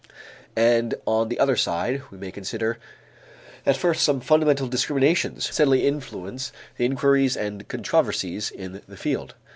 And on the other side, we may consider at first some fundamental discriminations which steadily influence the inquiries and controversies in the field.